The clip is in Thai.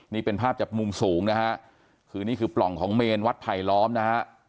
นี่เป็นภาพจากมุมสูงนะฮะคือนี่คือปล่องของเมนวัดไผลล้อมนะฮะ